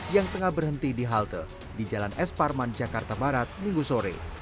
yang tengah berhenti di halte di jalan es parman jakarta barat minggu sore